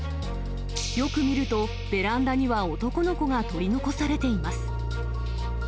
よく見ると、ベランダには男の子が取り残されています。